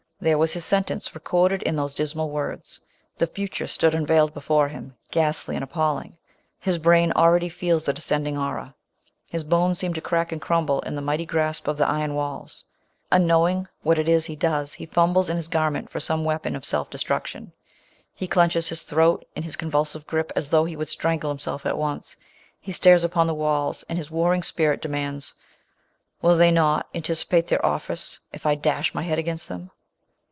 There was his sentence, recorded in those dismal words. The future stood unveiled before him, ghastly and ap palling. His brain already feels the descending horror, — his bones seem to crack and crumble in the mighty grasp of the iron walls ! Unknow ing what it is he does, he fumbles in his garment for some weapon of self destruction. He clenches his throat in his convulsive gripe, as though he would strangle himself at once. He stares upon the walls, and his war ring spirit demands, " Will they not anticipate their office if I dash my head against them